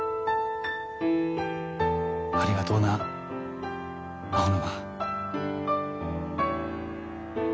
ありがとうな青沼。